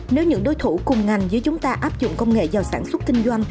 nếu những đối thủ cùng ngành giữa chúng ta áp dụng công nghệ vào sản xuất kinh doanh